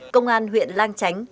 công an huyện lang chánh